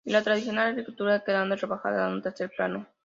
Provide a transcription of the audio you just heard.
Y la tradicional agricultura a quedado rebajada a un tercer plano.